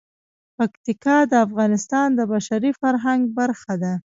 پکتیکا د افغانستان د بشري فرهنګ برخه ده.